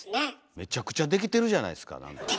めちゃくちゃできてるじゃないですか。